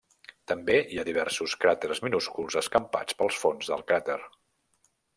També hi ha diversos cràters minúsculs escampats pel fons del cràter.